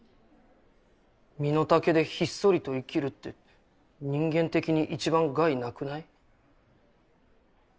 身の丈でひっそりと生きるって人間的にいちばん害なくない？